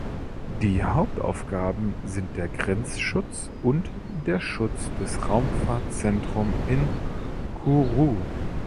Die Hauptaufgaben sind der Grenzschutz und der Schutz des Raumfahrtzentrum in Kourou.